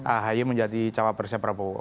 ahy menjadi cawabersia prabowo